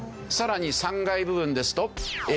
さらに３階部分ですと。